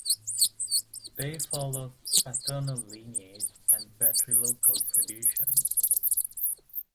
They follow Paternal lineage and Patrilocal traditions.